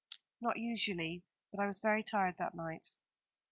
"Not usually; but I was very tired that night."